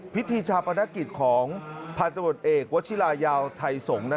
พิธีชาประนักฤทธิ์ของพเอกวชิลายาวไทยสงฯ